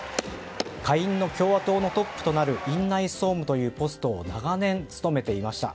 下院の共和党のトップとなる院内総務となるポストを長年務めていました。